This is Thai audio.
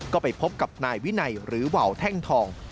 ก็ไปพบกับนายวินัยหรือว่าวแท่งทอง